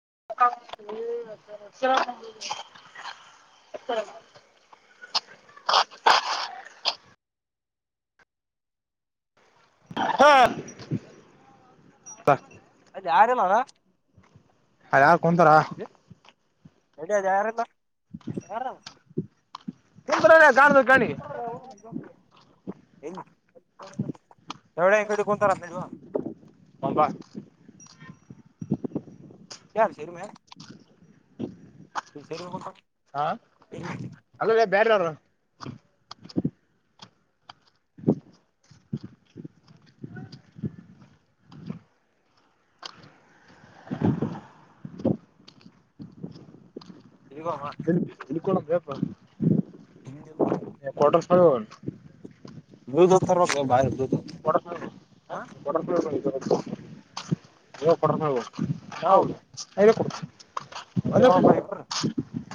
[unintelligible] [unintelligible] [inaudible] ಹ ಹ ಯಾರಲ್ಲ ಅ ಯಾರ್ ಕುಂತಾರ ಇಲ್ಲ ಇಲ್ಲ ಯಾರಿರ [unintelligible] [unintelligible] ಎವಡ ಈ ಕಡೆ ಕೊಂತ ರತ ಇವ ಒಂಬ ಯಾರು ಸೇರುಮ ನೀ ಸೇರ್ಬೇಕು ಹಾ ಅಲ್ಲ ಬೇರೆರು ಸಿಗಮ್ಮ ಇಲ್ಲಿ ಬ್ಯಾಪ ಕ್ರ್ ಫೈ ದು ದ್ ತರ್ಬೇಕ ಬ [unintelligible] ಹೌದು ಇಬ್ರು ಒ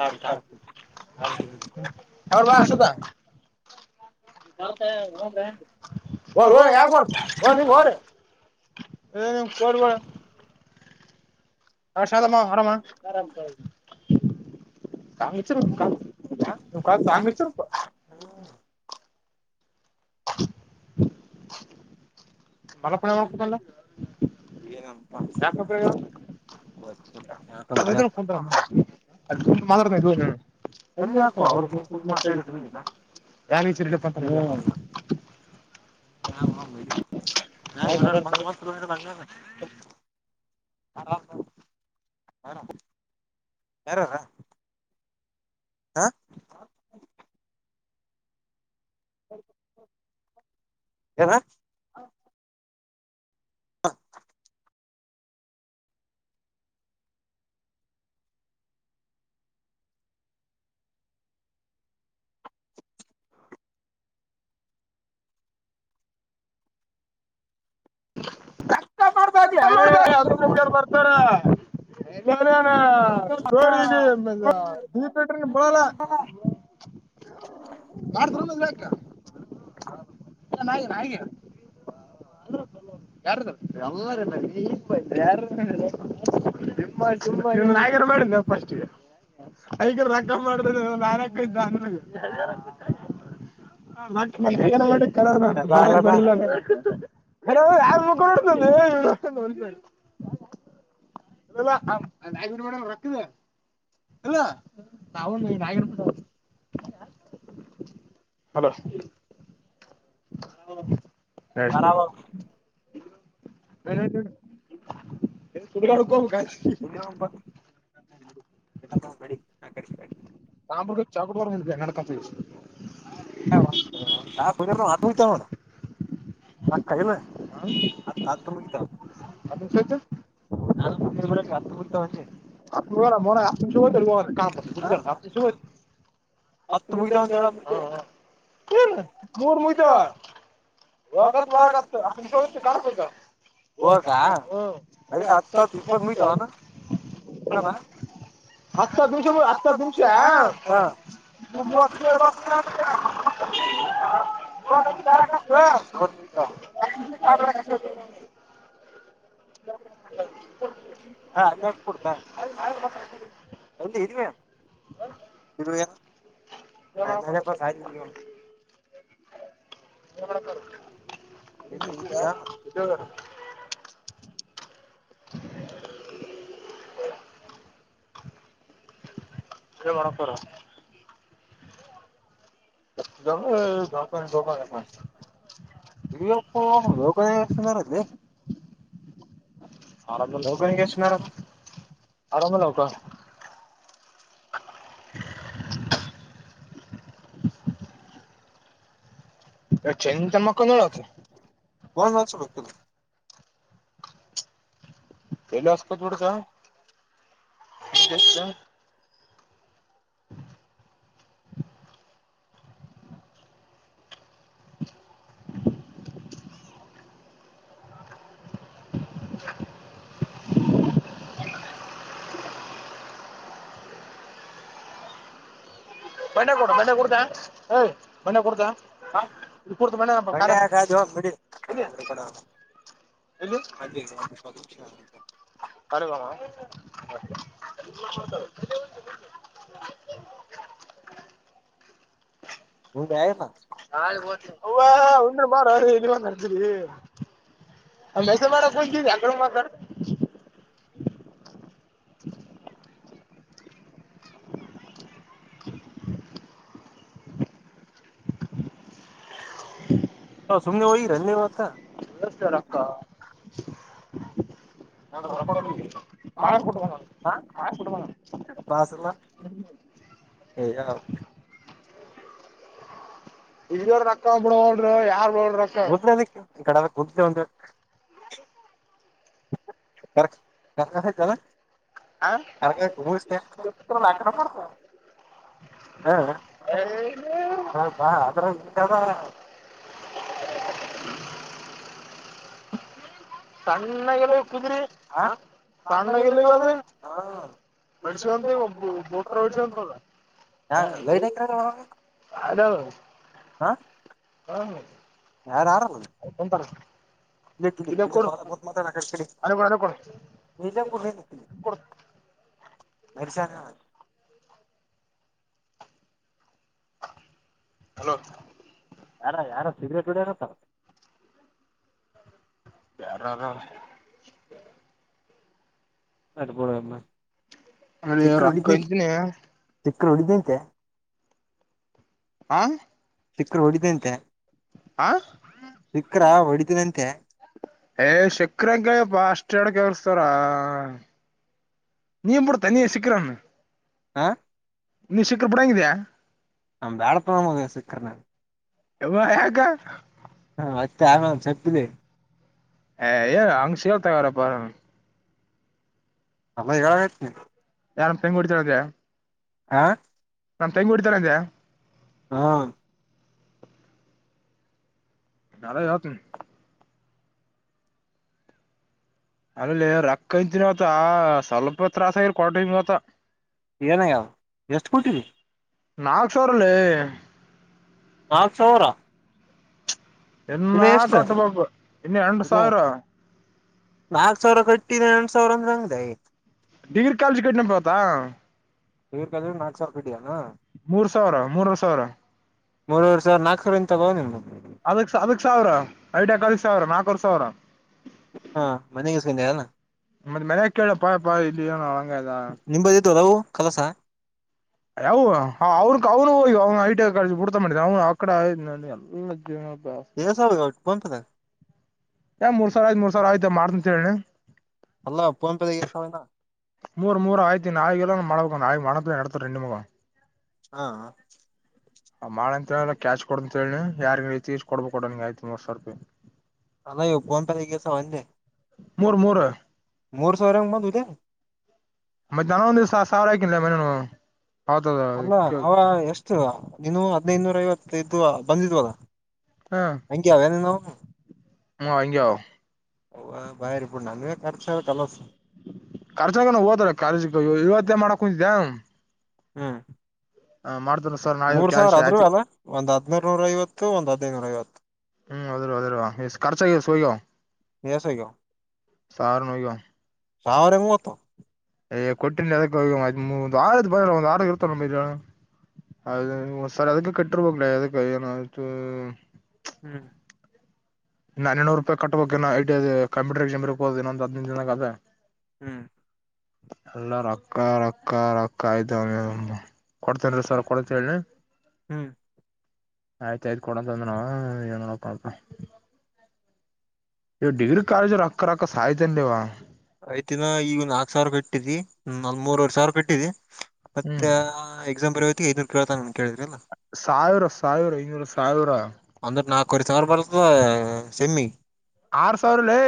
ಹಾತ ಆತ ಅವ್ರ ಅಶೋಕ ಯಾಕ ಬರ್ ನಿ ಹೋ್ರಿ ಹ್ಮ ಚ ಹ ಶಾಲಾಮ ಆರಾಮ ಆಾಮ ಕಾಂಗ್ರೆಸ್ [unintelligible] ಮಲ್ಲ ಪ ಒಕತ ಯಬರ [unintelligible] ಮಾತಾಡ್ತಾ ಇದ್ವಿ ಅಲ್ಲಿ ಹಾಕುವ ಅವ್ರಗ ಮಾತಾಡಿದು ನೀನ ಯನ್ ಈಚರಿಡಪ್ಪಾಂತ ಯ್ರ ಮಸ್ ಹ ಯೇಾರಾರ ಹಾ ಎನ್ ಕ ಮಾಡರ್ತ ಹದು ಮುಟ ಬರ್ತಾರ ರಿನ ಸ್ಟೋರಿ ೀಪಟ್ರ ಬರಲ್ಲ ಬ ಹಾಗ ಯಾರಲ್ಲ ಯಾರ ತುಂಬ್ಯಾರ ಮಾಡಪ್ಪಸ್ಿಗೆ ಐಗ ರಕ್ಕ ಮಾಡ ನಾನಕ ಇದ್ದ ಅ ಬಾರಲ ಬಾ ಹ ಯಾರ ಮುಖಡ್ತ ಇಲ್ಲ ಮೇಡಮ್ ರಕ್ಕದ ಇಲ್ಲ ನವು ನ ಹಲೋ ಹಾ ಬರಾವ ನ ತು ಕಡ ಕ ಕ ಇ ಹಾರಿಿ ನಾಮರ್ಗ ಚಾಕಡ್ ನಡಕ ಹ ಹ ಬ ಹತ ಚಣ ಆಾ ಕಾಯಲ್ಲ ಆತ್ ಆತ್ ಮುಗಿತ ಅ ಕತ ಹತ್ತು ಮುಗಿತಾವ ಅಂದೆ ಆು ಮು ಶತು ಕಾಮ ಶತಿ ಹ ಹತ್ತು ಮು ಮುಗಿತಾವ ಅಂತ ಹೇಳತ್ತೆ ಏ ನರ್ ಮುಗಿದ ವಕತ್ ವರಗ ಅ ಕಾಣಬೇಕ ಹೌದಾ ಹಕಾ ಅದ ಹತ್ತು ಇಪ್ಪತ್ತು ಮೀಟ ಕಡಣ ಹತ್ತು ನಿಮಿಷ ಹತ್ತತ್ತು ನಿಮಿಷ ಹಾ ಮ ಬತ ಮ ಬತ ಷ್ಟ ಹಾ ಅಲ್ಲಿ ಕೊಡ್ತ ಅಲ್ಲಿ ಇದವಿ್ಯಾ ಇ ಎಮ [inaudible] ಎ ಮಾಡಕ್ರ ದಕ ದಕಕ ಇಲ್ಲಿ ಅಪ್ಪ ಹಕಂದಾರಲ್ಲಿ ಆರಾಮ ಹೋಗ ಎಷ್ಟ ಆರಾಮಲ್ಲಕ [inaudible] ಚಂತನ್ ಮಕ್ಕಳ ನೋಡತ ಫೋನ್ ಹಚ್ಚಬೇಕಿಲ್ಲ ಪಲ್ಲಸ್ಬೇಕ ೋಡಸಷ್ಟ ಮಣೆ ಕೊಡ ಬಣೆ ಕೊಡತ ಯ್ ಮಣ್ಣೆ ಕೊಡತ ಇರ್ತ ಮ ಕ ಬಂಡೆಯಾಗ ಜೋಗ್ ಬಿಡಿ ಎಲ್ಲಿಯ ಎಲ್ಲಿ ಅನುವಾಮ ಹ [inaudible] ವ ಇನ್ನ ಮಾಡಾರ ಎಂತಜ [unintelligible] ಆ ಮೆಸ ಮಾಡ ಕೊ ಆಕ ಮಾತಾಡ್ ಹ ಸುಮನೆ ವಿ ರನೆವತ ಎಷ್ಟ ರಕ್ಕ ರೋಕ್ ಕೊಡ್ಲಿ ಮಾಡ ಕುಟ್ಟು ಬಂದೋ ಮಾಡ ಕುಟ್ಟು ಬಂದು ಬಾಸಲ್ಲ ವ ಇಲ್ಲಿ ರಕ್ಕ ಬಿಡೋರರು ಯಾರ್ ಬೋಡ ಕುದ್ರೆ ಅದಕ್ಕೆ ಈ ಕಡೆದ ಕುದ್ರೆ ಒಂದು ಕಕಲ್ಲ [unintelligible] ಹ ಕ ಹಾ [unintelligible] ಏ, ಹಾ ಬಾ ಅದ್ರ [inaudible] ಸಣ್ಣಾಗಲಿ ಕುದ್ರಿ ಸಣ್ಣಲ್ಲಿ ಅದ್ರಿ ಮಡ್ಸ್ಂತ ಒಬ್ ಬೋತ್ರ ಹೊಡ್ಸಂತದ ಹಾ ಲೈಟ್ ಹಾಕಿರ ಅದಾವ ಹಾ ಹಾ ಹ್ಮಂತರ ಕ್ಕ ಬ ಬದ ಮಾತ ರಾ ಅಲ್ಲೇ ಕೊಡು ಅಲ್ಲೇ ಕೊಡು ನೀಲ ಪುಣಿ ಮುಖ ಕೊಡು [unintelligible] ಮಡಸನ್ [unintelligible] ಹಲೋ ಯಾರ ಯಾರ ಸಿಗ್ರೇಟ್ಗಳಡನತ್ತಾರ [inaudible] ಯಾರ ಅಟ ಬಡ ಮಾ ಅದ ರೊಕ್ಕ ಇ್ದನ ಕ್ಕೋಳ ದಂಂತೆ [unintelligible] ಆ ಸಿಕ್ಕರು ಹೊಡಿದ್ದಂತೆ ಆ ಅ ಹೊಡಿತಿನಂತೆ ಏ ಶಕ್ರಂಗ ಕ್ಯಪ್ಪಾ ಅಷ್ಟ ಎಳ್ ಕಳ್ಸ್ತಾರ ನೀ ಬಿೂಡ ತನಿಯ ಸಕ್ಕರ್ಣ ಹಾ ನಿ ಶಖರ್ ಬಿಡಾಂಗಿದ್ಯಾಾ ನ ಬ್ಯಾಳಪನದ ಸಕ್ಕರ್ನ ಎ ಯಕ ಹಾ ಮತ್ತೆ ಆರಾಮ್ ಸಪ್ಪಿದೆ [unintelligible] ಹ ಏ ಹಂಗಷಾ ತಗಾರಪ್ಪ ಅಲ್ಲ ಈಳಾಗಯತನ ಯಾರ ತೆಂಗುಡತರದ ಹಾ ನಾನ್ ತೆಂಗು ಹೋಡ್ತಾರ ಅಂದೆ ಹಾ ನಳ ಯತು ಅಮಲೆ ರೊಕ್ಕ ಅಂತನ್ ಅವತ್ತ ಸ್ವಲ್ಪ ತತ್ರಾಸ ಆಗಲ್ ಕ್ವಾಟ್ರೆ ಆವತ್ತ ಏನಯ್ಯಾವ ಎಷ್ಟು ಕೊಟ್ಟೀಧೀ ನಾಲ್ಕು ಸಾವಿರ ಲೇ ನಾಲ್ಕು ಸಾವಿರ ಇನ್ನ ಕಟ್ಟಬೇಕು ಇನ್ನು ಎಂಟು ಸಾವಿರ ನಾಲ್ಕ್ ಸಾವಿರ ಕಟ್ಟಿದ ಎಂಟು ಸಾವಿರ ಅಂದ್ರ ಹಂಗದ ಆಯ್ ಡಿಗ್ರಿ ಕಾಲೇಜ್ ಕಟ್ಟನ ಪತಾ [unintelligible] ನಾಲ್ಕು ಸಾವಿರ ಕಟ್ಟಯಾನ ಮೂರುವರೆ ಸಾವಿರ ಮೂರೂವರೆ ಸಾವಿರ ನಾಕ ಸಾವರ ತಗೋ ನೀನು ಅದಕ್ ಅದಕ್ ಸಾವಿರ ಐಟ್ಯಾಕ್ ಅದಕ್ ಸಾವಿರ ನಾಲ್ಕವರ್ ಸಾವಿರ ಹಾ ಮನೆ [unintelligible] ಮತ್ತ ಮನ ಕೇಳ ಪಾ ಪಾ ಇಲ್ಲಿ ಅಳಂಗ ಇದಾ ಕೆಲಸ ಯಾವ ಅವ್ನ ಅವ್ನು ಹೋಗ ಅವ್ನು ಐಟಐ ಕಾಲೇಜ್ ಬಿಡ್ತಾ ಮಾಡಿದ ಅವನು ಆ ಕಡೆ ಎಲ್ಲ ಜೀವನ ಎಸಟ್ಟ ಬಂತದೆ ಏ ಮೂ ಸಿರ ಆಯ್ತತ್ ಮೂರ್ ಸಾವಿರ ಆಯ್ತಾ ಮಾಡ್ತ ಅಂತ ಹೇಳಿ ಅಲ್ಲ ಫೋನ್ ಪೇದಾಗ ಎಷ್ಟ್ ಸಾವ್ರ ಆಗ್ಯಾವ ಮೂರು ಮೂರು ಆಯಿತ ನಾಲ್ ಕಲೋ ಮಳ ನಾ ಮನತ್ರ ನೋ ರಂಡಿ ಮಗ ಹಾ ಆ ಮಾಡ ಅಂತ ಹೇಳ್ರ ಕ್ಯಾಚ್ ಕೊಡ ಅಂತ ಹೇಳಿ ಯಾರ ರೀತಿ ಕೊಡ್ಬೇಕ ಕೊಡ ನಿಂ ಆಯ್ತ್ ಮೂರ್ ಸಾವಿ ರೂಪಾಯಿ ಅಲಯಪ್ಪಂಪ ತಗಸವೆ ಮೂರ್ ಮೂರು ಮೂರ್ ಸಾವರಂಗ ಇದೆ ಮತ್ತೆ ನಾನ ಒಂದು ದಿವಸ ಸಾವಿರ ಆಯಿಲ್ಲ ಮನನು ಅಲ್ಲ ಅವ ಎಷ್ಟು ನೀನು ಹದ್ನೈದದುನೂರ ಐವತ್ತು ಇದ್ದ್ ಬಂದಿದ್ವಲ್ಲ ಅಂಗೆ ಯಾವನುನ್ನ ಹ್ಮ ಹಂಗೆ ಹ್ ಬಾಯ್ರಬುಟ್ಟ ನನ್ ಖರ್ಚ ಕಲಸ ರ್ಚಾಗ ಹೋದ್ರ ಕಾಲೇಜ್ ಇವತ್ತೇ ಮಾಡಕ್ ಕುಂತಿದ್ದೆ ಹ್ಮ್ ಹ ಮಾಡ್ತ ಮೂರ್ ಸಾವಿರ ಆದ್ ಅಲ್ಲ ಒಂದ್ ಹದ್ನೂರ್ ನೂರ ಐವತ್ತು ಒಂದ್ ಹದಿನೈನೂರ ಐವತ್ತು ಹ್ಮ್ ಅದ ಅದ ಖರ್ಚ ಸಯೋ ಎಸಾಗ್ಯಾವ ಸಾರ ನಗ ಸಾವಿರ ಮೂವತ್ತು ಏ ಕೊಟ್ಟಿ ಒಂದು ಆರು ಬ ಒಂದು [unintelligible] ಅದ ಒ್ಸರಿ ಅದಕ್ಕೆ ಕಟ್ಟಿರ್ಬಲ ಅದಕ್ಕ ಏನಯ್ತು ಹ್ಮ್ ನಾ ಇನ್ನೂರು ರೂಪಾಯಿ ಕಟ್ಟಬೇಕು ಐಟಿ ಕಂಪೂಟರ್ ಎಕ್ಸಾಮ್ರ್ ಹೋದು ಇನ್ನೊಂದ ಹದಿನೈದು ದಿನದ ಅದ ಹ್ಮ್ ಎಲ್ಲ ರಕ್ಕ ರಕ್ಕ ರಕ್ಕ ಇದ್ದವ ಕೊಡ್ತೇನ್ ಸರ್ ಕೊಡ್ತೇನೀ ಹ್ಮ್ ಆಯ್ತಾಯಯ್ತು ಕೊಡಂತ ಅಂದ್ರ ನ ನೀ ನೋಡಪ ನೀವು ಡಿಗ್ರಿ ಕಾಲೇಜ್ ರಕ್ಕ ರಕ್ಕ ಸಾಾಯತಂಡೇವಾ ಯ್ತಿನ ಈಗ ನಾಲ್ಕಕ್ ಸಾವಿರ ಕಟ್ಟಿದ್ದಿ ನಲ್ ಮೂರವರೆ ಸಾವಿರ ಕಟ್ಟಿದ್ದಿ ಹ್ಮ್ ಮತ್ತೆ ಎಕ್ಸಾಮ್ ಬರ್ಯತಿ ಐದನೂರು ಕೇಳಳ್ತ ಅಂತ ಕೇಳಿದ್ರಿಲ್ಲ ಸಾವಿರ ಸಾವಿರ ಐನೂರು ಸಾವಿರ ಒಂದ ನಾಲ್ಕುವರೆ ಸಾವಿರ ಬರ್ತ ಹ ಸೆಮ್ಮಿ ಆರ್ ಸಾವಿರಲ್ಲೇ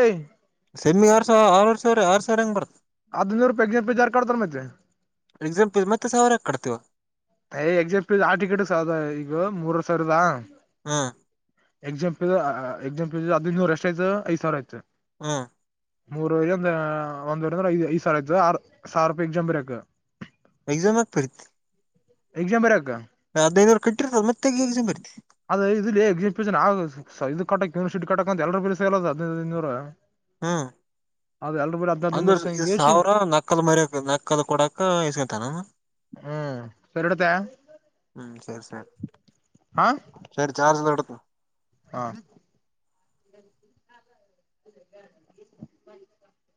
ಸೆಮ್ಮಿ ಆರ್ ಸಾವ್ರ ಆರುವರ್ ಸಾವ್ರ ಆರ್ ಸಾವ್ರ ಹೆಂಗ ಬರತ್? ಅದ್ ಬೇರ್ [unintelligible] ಯಾರ್ ಕಡ್ತಾರ ಮತ್ತೆ? ಎಕ್ಸಾಂ ಫೀಸ್ ಮತ್ತೆ ಸಾವಿರ ಕಡ್ತೀವ? ಏ ಎಕ್ಸಾಮ್ ಪೀಸ್ ಹಾಲ್ ಟಿಕೆಟ್ಸ್ ಅದ ಈಗ ಮೂರ್ವರ್ರ್ ಸಾವ್ರದ ಹಾ ಎಕ್ಸಾಮ್ ಆ ಎಕ್ಸಾಮ್ ಫೀಸ್ ಅದೖನ್ನೂರ್ ಎಷ್ಟಾಯ್ತು ಐದ್ಸಾವಿರಾಯ್ತು. ಹ್ಮ ಮೂರಂದ ಒಂದೆರಡು ಅಂದ್ರೆ ಐ ಐದ್ ಸಾವಿರ ಆಯತು ಆರ್ ಸಾವಿರ ರೂಪಾಯಿ ಎಕ್ಸಾಮ್ ಬರಿಯಕ್ಕ. ಎಕ್ಸಾಮ್ಯಾಕ್ ಬರಿತಿ? ಎಕ್ಸಾಮ್ ಬರ ಹದ್ನೈದುನೂರ್ ಕಟ್ಟಿರ್ತದ ಮತ್ತೆ ಎಕ್ಸಾಮ್ ಬರಿತಿ ಅದು ಇದುಲೇ [unintelligible] ಇದು ಕಟ್ಟ ಯಿಟ ಕಕ ಅಂತ ಎರೂಲ್ಸ್ಗಲ್ಲ ಹದಿನದುದೂರು ಹ್ಮ್ ಹದಿನೈದು ಅಂದ್ರ ನೂರು ಈ ಸಂಗೇಶ್ ಸಾವಿರ ನಕ್ಕಲ್ ಮರಿಯಕ್ ನಕ್ಕಲ್ ಕೊಡಕ ಇಸ್ಕತಾನೇನು? ಹ್ಮ್ ಸರಿಡತ ಹ್ಮ್ ಸರಿ ಸರಿ ಹ [inaudible] ಹಾ [inaudible]